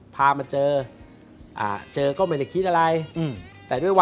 พาคุย